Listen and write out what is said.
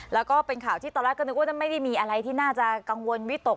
แล้วก็เป็นข่าวที่ตอนแรกก็นึกว่าไม่ได้มีอะไรที่น่าจะกังวลวิตก